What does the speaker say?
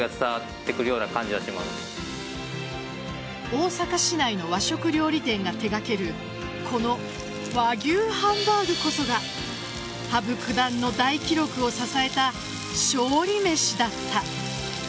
大阪市内の和食料理店が手掛けるこの和牛ハンバーグこそが羽生九段の大記録を支えた勝利めしだった。